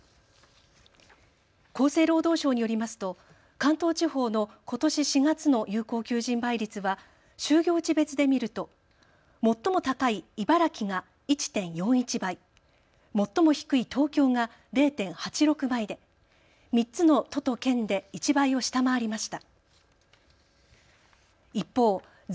厚生労働省によりますと関東地方のことし４月の有効求人倍率は就業地別で見ると最も高い茨城が１．４１倍、最も低い東京が０．８６倍で３つの都と県で１倍を下回りました。